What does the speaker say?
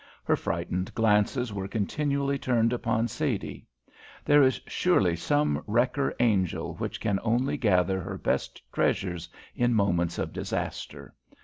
Her frightened glances were continually turned upon Sadie. There is surely some wrecker angel which can only gather her best treasures in moments of disaster.